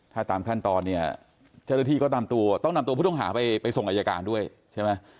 ถ้าตามขั้นตอนเนี่ยเจ้าหน้าที่ก็ตามตัวต้องนำตัวผู้ต้องหาไปส่งอายการด้วยใช่ไหม